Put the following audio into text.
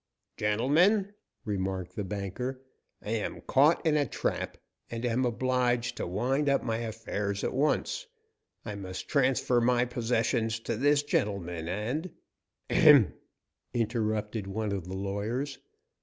"Gentlemen," remarked the banker, "I am caught in a trap, and am obliged to wind up my affairs at once. I must transfer my possessions to this gentleman and " "Ahem!" interrupted one of the lawyers.